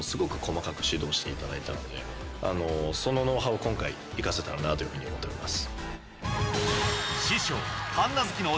そのノウハウを今回生かせたらなというふうに思っております。